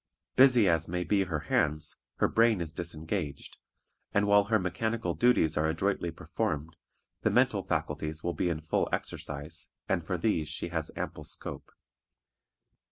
Busy as may be her hands, her brain is disengaged, and while her mechanical duties are adroitly performed, the mental faculties will be in full exercise, and for these she has ample scope.